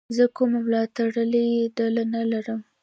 زه کومه ملاتړلې ډله نه لرم.